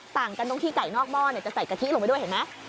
ต่างกันตรงที่ไก่นอกหม้อจะใส่กะทิลงไปด้วยเห็นไหม